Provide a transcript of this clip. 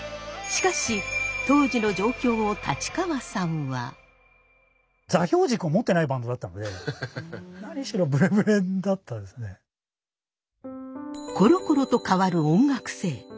しかし当時の状況を立川さんは。ころころと変わる音楽性。